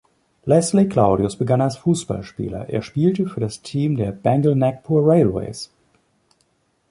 Leslie Claudius begann als Fußballspieler, er spielte für das Team der "Bengal Nagpur Railways".